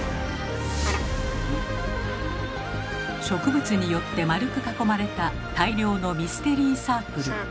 植物によって丸く囲まれた大量のミステリーサークル。